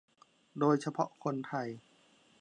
โดยเฉพาะคนไทย